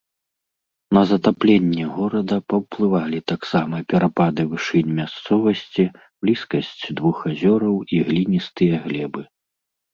На затапленне горада паўплывалі таксама перапады вышынь мясцовасці, блізкасць двух азёраў і гліністыя глебы.